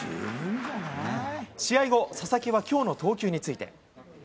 試合後、佐々木はきょうの投球について。